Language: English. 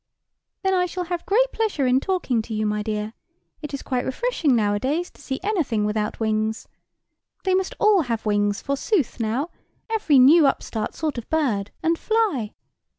"Then I shall have great pleasure in talking to you, my dear. It is quite refreshing nowadays to see anything without wings. They must all have wings, forsooth, now, every new upstart sort of bird, and fly.